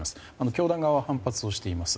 教団側は反発をしています。